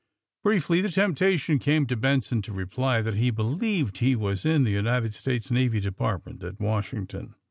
Briefly the temptation' came to Benson to re ply that he believed he was in the United States Navy Department at Washington.